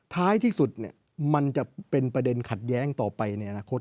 ท้ายที่สุดมันจะเป็นประเด็นขัดแย้งต่อไปในอนาคต